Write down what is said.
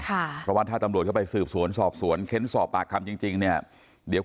เพราะว่าถ้าตำรวจเข้าไปสืบสวนสอบสวนเค้นสอบปากคำจริงเนี่ยเดี๋ยว